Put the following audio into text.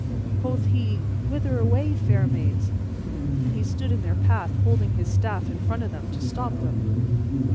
Quoth he, "Whither away, fair maids?" And he stood in their path, holding his staff in front of them, to stop them.